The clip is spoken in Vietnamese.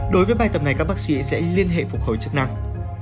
đối với bài tập này các bác sĩ sẽ liên hệ phục hồi chức năng